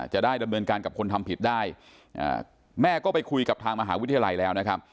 จะได้ดำเนินการกับคนทำผิดได้แม่ก็ไปคุยกับทางมหาวิทยาลัยแล้วนะครับ